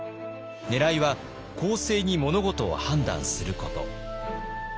ねらいは公正に物事を判断すること。